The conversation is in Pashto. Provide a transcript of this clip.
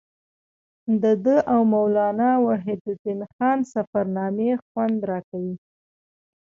د ده او مولانا وحیدالدین خان سفرنامې خوند راکوي.